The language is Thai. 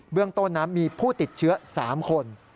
เบื้องต้นน้ำมีผู้ติดเชื้อ๓คน